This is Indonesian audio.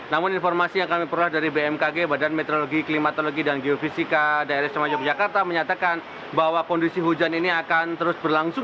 namun informasi yang kami peroleh dari bmkg badan meteorologi klimatologi dan geofisika daerah sema yogyakarta menyatakan bahwa kondisi hujan ini akan terus berlangsung